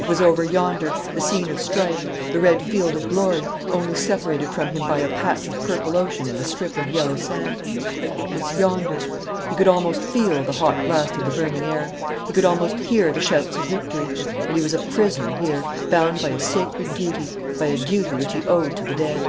It was over yonder, the scene of strife, the red field of glory, only separated from him by a patch of purple ocean and a strip of yellow sand. It was yonder. He could almost feel the hot blast of the burning air. He could almost hear the shouts of victory. And he was a prisoner here, bound by a sacred duty, by a duty which he owed to the dead.